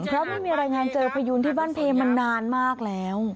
เพราะไม่มีรายงานเจอพยูนที่บ้านเพมานานมากแล้ว